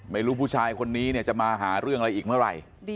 ไม่รู้ว่าผู้ชายคนนี้เนี่ยจะมาหาเรื่องอะไรอีกเมื่อไหร่